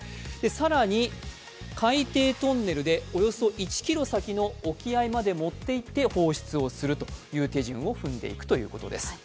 更に海底トンネルでおよそ１ｋｍ先の沖合まで持っていって放出をするという手順を踏んでいくということです。